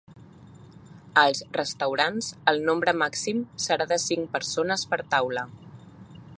Als restaurants, el nombre màxim serà de cinc persones per taula.